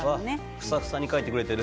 ふさふさに描いてくれている。